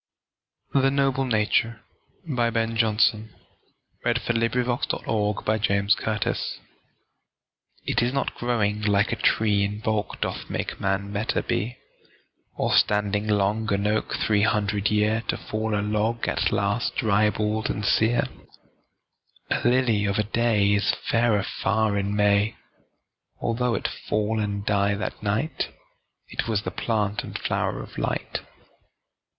And despairs day, but for thy volume's light. Ben Jonson The Noble Nature IT is not growing like a tree In bulk, doth make man better be; Or standing long an oak, three hundred year, To fall a log at last, dry, bald, and sear: A lily of a day Is fairer far in May, Although it fall and die that night, It was the plant and flower of Light.